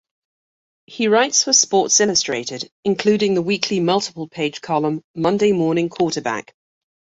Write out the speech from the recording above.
He writes for "Sports Illustrated", including the weekly multiple-page column "Monday Morning Quarterback".